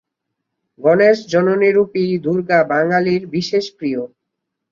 গণেশ-জননীরূপী দুর্গা বাঙালির বিশেষ প্রিয়।